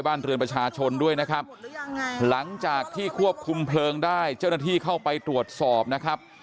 เรือนประชาชนด้วยนะครับหลังจากที่ควบคุมเพลิงได้เจ้าหน้าที่เข้าไปตรวจสอบนะครับ